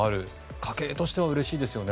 家計としてはうれしいですよね。